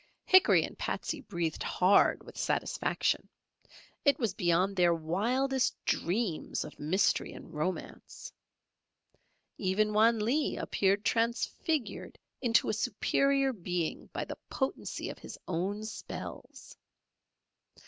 Hickory and Patsey breathed hard with satisfaction; it was beyond their wildest dreams of mystery and romance. Even Wan Lee appeared transfigured into a superior being by the potency of his own spells.